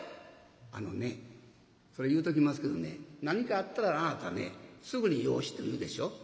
「あのねそれ言うときますけどね何かあったらあなたねすぐに養子と言うでしょ。